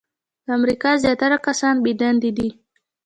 د امریکا زیاتره کسان بې دندې دي .